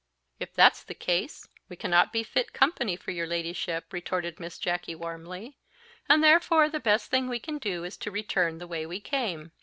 "If that's the case, we cannot be fit company for your ladyship," retorted Miss Jacky warmly; "and therefore the best thing we can do is to return the way we came.